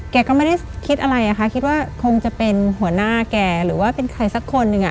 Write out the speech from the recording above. แกก็ไม่ได้คิดอะไรอะค่ะคิดว่าคงจะเป็นหัวหน้าแกหรือว่าเป็นใครสักคนหนึ่ง